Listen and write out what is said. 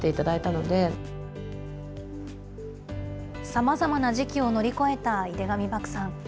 さまざまな時期を乗り越えた井手上漠さん。